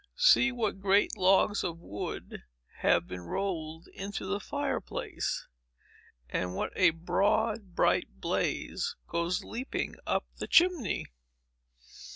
See what great logs of wood have been rolled into the fire place, and what a broad, bright blaze goes leaping up the chimney!